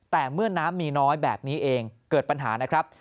แต่เมื่อน้ำมีน้อยแบบนี้เองเกิดปัญหานะครับ